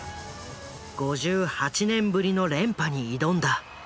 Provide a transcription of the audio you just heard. ５８年ぶりの連覇に挑んだ。